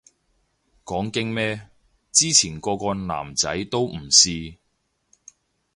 講經咩，之前個個男仔都唔試